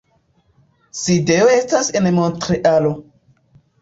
Sidejo estas en Montrealo.